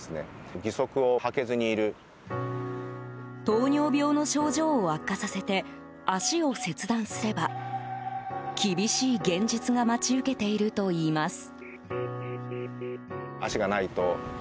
糖尿病の症状を悪化させて足を切断すれば厳しい現実が待ち受けているといいます。